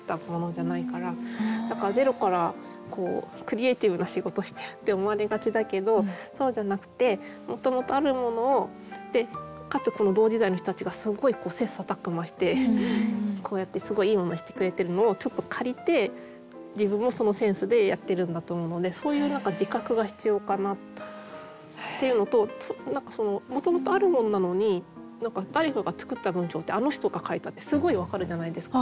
だからゼロからクリエーティブな仕事してるって思われがちだけどそうじゃなくてもともとあるものをかつ同時代の人たちがすごい切磋琢磨してこうやってすごいいいものにしてくれてるのをちょっと借りて自分もそのセンスでやってるんだと思うのでそういう何か自覚が必要かなっていうのと何かもともとあるものなのに誰かが作った文章ってあの人が書いたってすごいわかるじゃないですか。